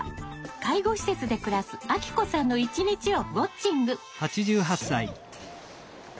介護施設で暮らすあきこさんの一日をウォッチング。